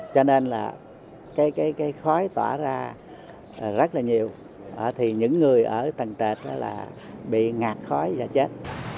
cho nên là cái khói tỏa ra rất là nhiều thì những người ở tầng trệt là bị ngạc khói và chết